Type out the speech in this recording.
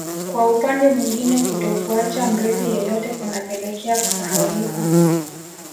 Kwa upande mwingine kutokuacha mrithi yeyote kunapelekea kusahaulika